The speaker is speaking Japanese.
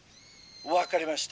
「分かりました。